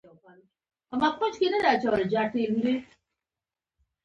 په زر دوه سوه میلادي کال کې نفوس ډېر شو.